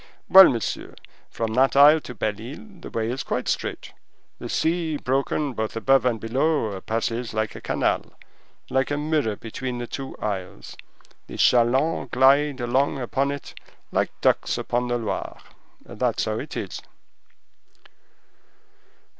"Well, monsieur, from that isle to Belle Isle the way is quite straight. The sea, broken both above and below, passes like a canal—like a mirror between the two isles; the chalands glide along upon it like ducks upon the Loire; that's how it is."